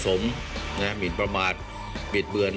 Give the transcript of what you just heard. สวัสดีค่ะคุณผู้ชมค่ะสิ่งที่คาดว่าอาจจะเกิดก็ได้เกิดขึ้นแล้วนะคะ